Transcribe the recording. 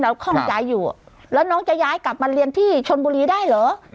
คล่องใจอยู่แล้วน้องจะย้ายกลับมาเรียนที่ชนบุรีได้เหรอ